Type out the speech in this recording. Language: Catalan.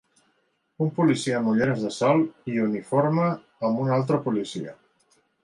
Un policia amb ulleres de sol i uniforme amb un altre policia.